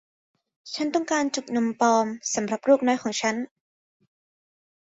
ฉันต้องการจุกนมปลอมสำหรับลูกน้อยของฉัน